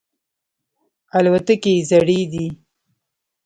الوتکې یې زړې دي.